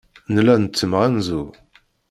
Nella nettemɣanzu.